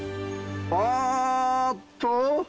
あっと。